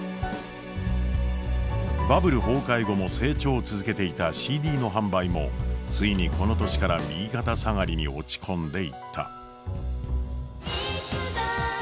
バブル崩壊後も成長を続けていたＣＤの販売もついにこの年から右肩下がりに落ち込んでいった。